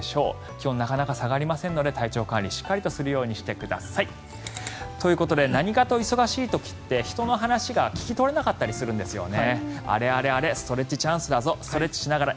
気温、なかなか下がりませんので体調管理をしっかりするようにしてください。ということで何かと忙しい時って人の話が聞き取れなかったりするんですよね